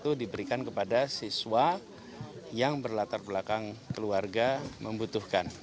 itu diberikan kepada siswa yang berlatar belakang keluarga membutuhkan